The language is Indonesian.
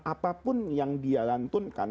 apapun yang dia lantunkan